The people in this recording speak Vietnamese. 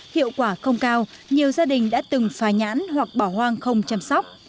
hiệu quả không cao nhiều gia đình đã từng phá nhãn hoặc bỏ hoang không chăm sóc